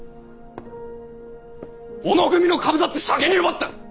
小野組の株だって先に奪った！